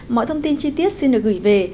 mọi thông tin chi tiết xin được gửi về